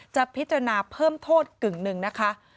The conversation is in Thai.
จะพิจารณาเพิ่มโทษกึ่งหนึ่งนะคะ